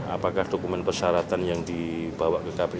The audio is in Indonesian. apakah dokumen persyaratan yang dibawa ke kpk